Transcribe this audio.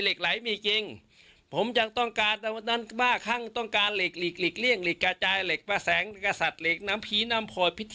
เหล็กไหลที่เห็นอยู่เนี่ยคือมันเป็นเหล็กไหลจริงใช่ไหมครับ